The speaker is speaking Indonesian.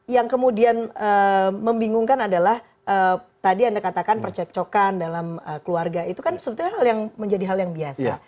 yang kemudian membingungkan adalah tadi anda katakan percekcokan dalam keluarga itu kan sebetulnya hal yang menjadi hal yang biasa